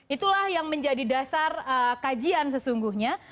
itulah yang menjadi dasar kajian sesungguhnya